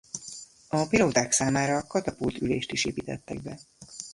A pilóták számára katapultülést is építettek be.